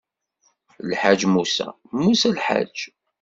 Lḥaǧ musa, musa lḥaǧ.